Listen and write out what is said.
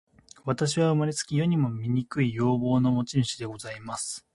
私は生れつき、世にも醜い容貌の持主でございます。